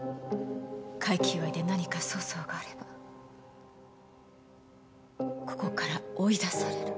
快気祝いで何か粗相があればここから追い出される。